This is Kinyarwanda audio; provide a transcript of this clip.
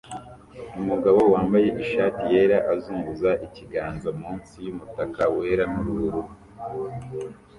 Umugabo wambaye ishati yera azunguza ikiganza munsi yumutaka wera nubururu